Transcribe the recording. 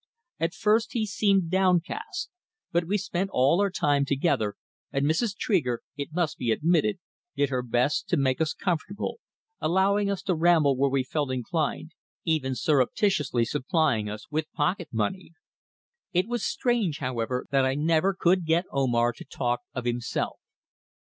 At first he seemed downcast, but we spent all our time together, and Mrs. Tregear, it must be admitted, did her best to make us comfortable, allowing us to ramble where we felt inclined, even surreptitiously supplying us with pocket money. It was strange, however, that I never could get Omar to talk of himself.